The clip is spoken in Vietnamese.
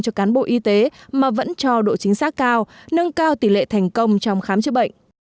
cho cán bộ y tế mà vẫn cho độ chính xác cao nâng cao tỷ lệ thành công trong khám chữa bệnh